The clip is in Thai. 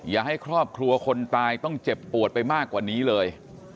อย่าให้ครอบครัวคนตายต้องเจ็บปวดไปมากกว่านี้เลย